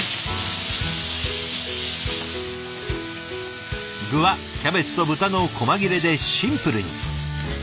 具はキャベツと豚のこま切れでシンプルに。